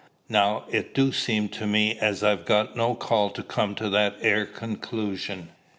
Now, it do seem to me as I've got no call to come to that 'ere conclusion.